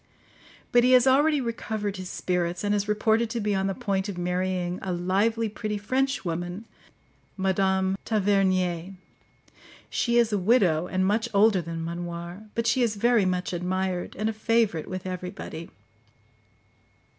But he has already recovered his spirits, and is reported to be on the point of marrying a lively pretty Frenchwoman, Madame Tavernier. She is a widow, and much older than Manoir; but she is very much admired, and a favourite with everybody.